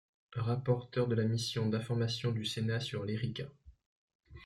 Rapporteur de la mission d’information du Sénat sur l’Erika.